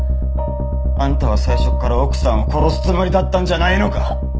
あんたは最初から奥さんを殺すつもりだったんじゃないのか！？